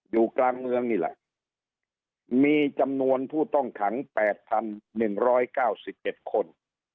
อยู่กลางเมืองนี่แหละมีจำนวนผู้ต้องขังแปดพันหนึ่งร้อยเก้าสิบเจ็ดคน